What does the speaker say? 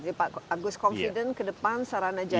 pak agus confident ke depan sarana jalan